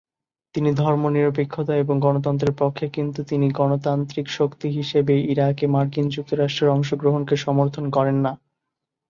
তিনি ধর্মনিরপেক্ষতা ও গণতন্ত্রের পক্ষে, কিন্তু তিনি গণতান্ত্রিক শক্তি হিসেবে ইরাকে মার্কিন যুক্তরাষ্ট্রের অংশগ্রহণকে সমর্থন করেন না।